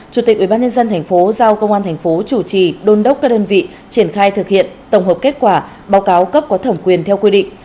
chủ tịch ubnd tp giao công an thành phố chủ trì đôn đốc các đơn vị triển khai thực hiện tổng hợp kết quả báo cáo cấp có thẩm quyền theo quy định